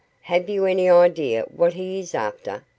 "Have you any idea what he is after?"